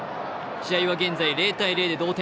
試合は現在０−０で同点。